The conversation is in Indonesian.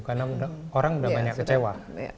karena orang sudah banyak kecewa